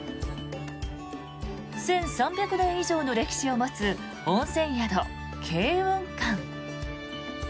１３００年以上の歴史を持つ温泉宿、慶雲館。